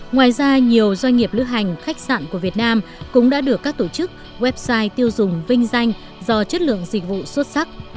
ngoài ra nhiều doanh nghiệp lữ hành khách sạn của việt nam cũng đã được các tổ chức website tiêu dùng vinh danh do chất lượng dịch vụ xuất sắc